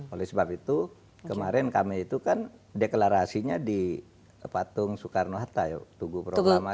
oleh sebab itu kemarin kami itu kan deklarasinya di patung soekarno hatta ya tugu proklamasi